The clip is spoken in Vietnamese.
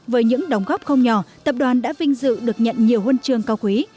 với những đóng góp không nhỏ tập đoàn đã vinh dự được nhận nhiều huân chương cao quý